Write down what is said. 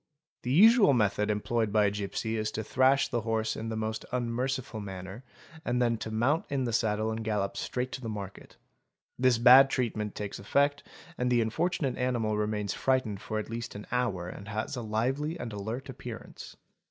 The usual method employed by a gipsy is to thrash the horse in the most unmerciful manner and then to mount in the saddle and gallop straight to the market. This bad treatment takes effect and the unfortunate animal remains frightened for at least an hour and has a lively and alert appearance.